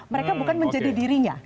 mereka bukan menjadi dirinya